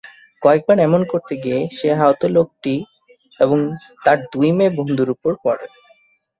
কয়েকবার এমন করতে গিয়ে সে আহত লোকটি এবং তার দুই মেয়ে বন্ধুর উপর পড়ে।